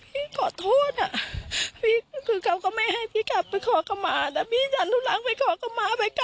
พี่ขอโทษนะพี่คือเขาก็ไม่ให้พี่กลับไปขอกรรมะแต่พี่จันทุกลังไปขอกรรมะ